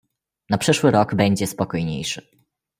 "Na przyszły rok będzie spokojniejszy."